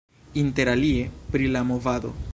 Interalie pri la movado.